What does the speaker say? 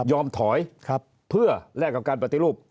ถอยเพื่อแลกกับการปฏิรูป